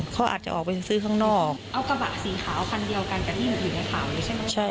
เขาอาจจะออกไปซื้อข้างนอกเอากระบะสีขาวคันเดียวกันกับที่หนูอยู่ในข่าวนี้ใช่ไหม